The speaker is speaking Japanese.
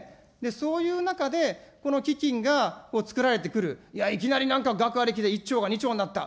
そういう中で、この基金が作られてくる、いきなりなんか額ありきで１兆が２兆になった。